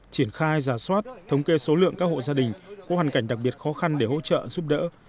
triển khai giả soát thống kê số lượng các hộ gia đình có hoàn cảnh đặc biệt khó khăn để hỗ trợ giúp đỡ